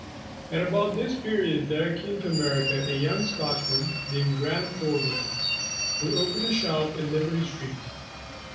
AT about this period there came to America, a young Scotchman, named Grant Thorburn, who opened a shop in Liberty Street.